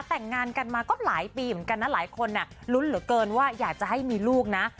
แต่งงานกันมาก็หลายปีเหมือนกันนะหลายคนลุ้นเหลือเกินว่าอยากจะให้มีลูกนะ